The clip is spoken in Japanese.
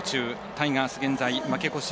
タイガース、現在負け越し１０。